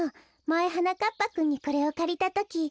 まえはなかっぱくんにこれをかりたとき。